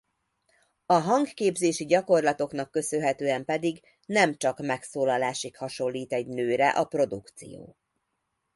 A hangképzési gyakorlatoknak köszönhetően pedig nem csak megszólalásig hasonlít egy nőre a produkció.